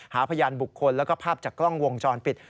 พยานบุคคลแล้วก็ภาพจากกล้องวงจรปิด